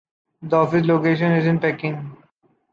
The office location is in Peking.